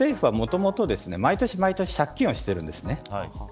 政府はもともと毎年借金をしているんですね。